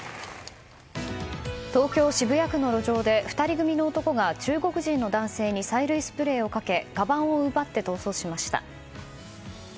東京・渋谷区の路上で２人組の男が中国人の男性に催涙スプレーをかけかばんを奪って逃走しました。